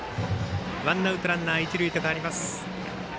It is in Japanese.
ワンアウト、ランナー、一塁と変わります。